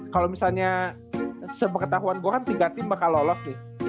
kalau misalnya sepengetahuan gue kan tinggal tim bakal lolos nih